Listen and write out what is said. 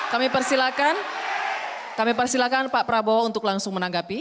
kami persilahkan kami persilakan pak prabowo untuk langsung menanggapi